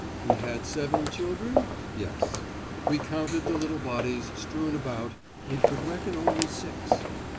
He had seven children? Yes. We counted the little bodies strewn about and could reckon only six.